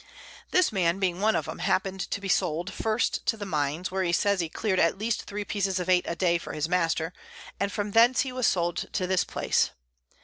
This Man being one of 'em, happen'd to be sold, first to the Mines, where he says he clear'd at least 3 Pieces of Eight a day for his Master, and from thence he was sold to this Place.